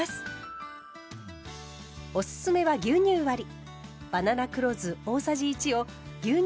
おすすめは牛乳割り。